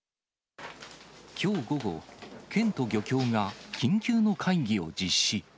きょう午後、県と漁協が緊急の会議を実施。